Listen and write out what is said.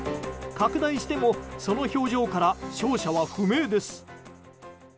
拡大してもその表情から勝者は不明です。